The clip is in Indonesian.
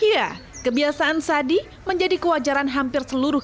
iya kebiasaan sadi menjadi kewajaran hampir seluruh keluarga